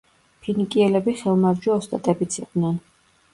ფინიკიელები ხელმარჯვე ოსტატებიც იყვნენ.